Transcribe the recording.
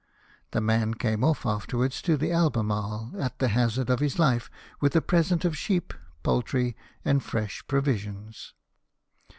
The man came off afterwards to the Alhemarle, at the hazard of his life, with a present of sheep, poultry, and fresh provisions.